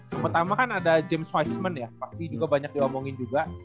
yang pertama kan ada james soismen ya pasti juga banyak diomongin juga